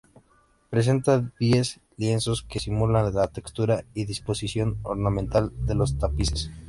Presenta diez lienzos que simulan la textura y disposición ornamental de los tapices.